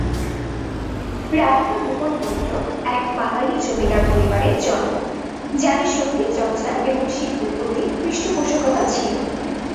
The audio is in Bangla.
রাধিকা মোহন মৈত্র এক বাঙালি জমিদার পরিবারে জন্ম যাদের সংগীত চর্চা এবং শিল্পের প্রতি পৃষ্ঠপোষকতা ছিল।